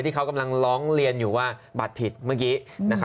ที่เขากำลังร้องเรียนอยู่ว่าบัตรผิดเมื่อกี้